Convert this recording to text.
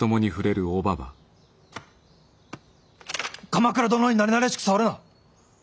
鎌倉殿になれなれしく触るな。